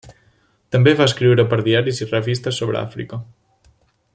També va escriure per diaris i revistes sobre Àfrica.